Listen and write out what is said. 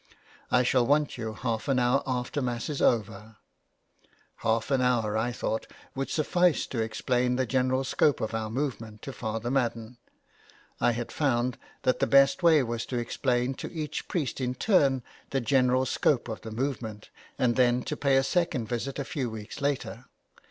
" I shall want you half an hour after Mass is over." Half an hour, I thought, would suffice to explain the general scope of our movement to Father Madden. I had found that the best way was to explain to each priest in turn the general scope of the movement, and then to pay a second visit a few weeks later.